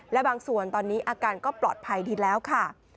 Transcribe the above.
และบางส่วนตอนนี้อาการก็ปลอดภัยดีแล้วค่ะ